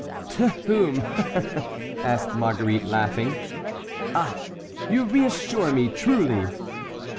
"To whom?" asked Marguerite, laughing. "Ah! you reassure me, truly!"